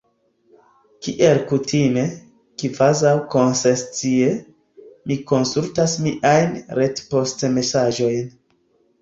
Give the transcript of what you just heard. Kiel kutime, kvazaŭ senkonscie, mi konsultas miajn retpoŝtmesaĝojn.